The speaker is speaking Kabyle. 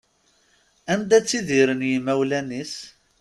Anda ttidiren yimawlan-is.